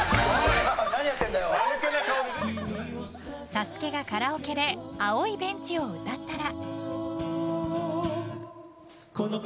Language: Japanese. サスケがカラオケで「青いベンチ」を歌ったら。